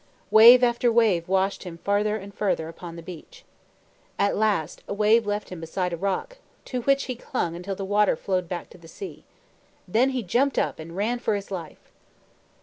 Wave after wave washed him further and further upon the beach. At last a wave left him beside a rock, to which he clung until the water flowed back to the sea. Then he jumped up and ran for his life.